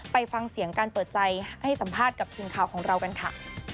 ไปฟังเสียงการเปิดใจให้สัมภาษณ์กับทีมข่าวของเรากันค่ะ